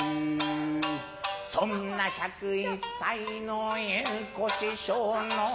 そんな１０１歳の祐子師匠の